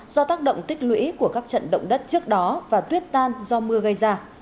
do tác động tích lũy của các trận động đất trước đó và tuyết tan do mưa gây ra